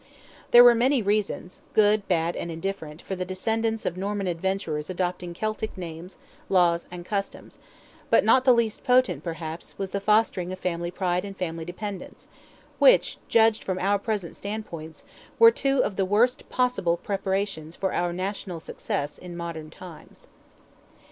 There were many reasons, good, bad, and indifferent, for the descendants of the Norman adventurers adopting Celtic names, laws, and customs, but not the least potent, perhaps, was the fostering of family pride and family dependence, which, judged from our present stand points, were two of the worst possible preparations for our national success in modern times.